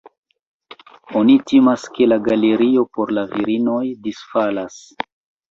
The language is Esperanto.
Oni timas, ke la galerio por la virinoj disfalas.